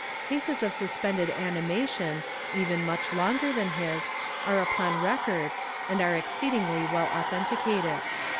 Cases of sus pended animation, even nuich longer than his, are upon record, and are exceedingly well authenti cated.